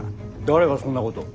誰がそんなことを。